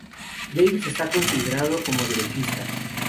Davis está considerado como derechista.